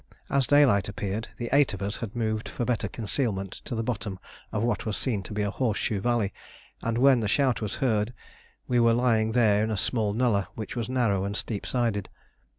As daylight appeared the eight of us had moved for better concealment to the bottom of what was seen to be a horseshoe valley, and when the shout was heard we were lying there in a small nullah which was narrow and steep sided.